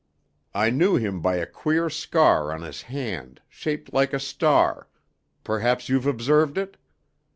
I knew him by a queer scar on his hand, shaped like a star perhaps you've observed it?